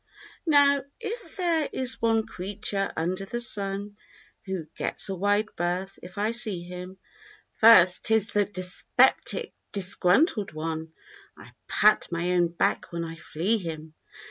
Now, if there is one creature under the sun Who gets a wide berth, if I see him First—'tis the dyspeptic, disgruntled one (I pat my own back when I flee him).